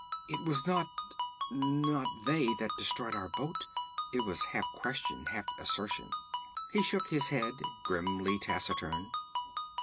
'It was not not they that destroyed our boat?' It was half question, half assertion. He shook his head, grimly taciturn.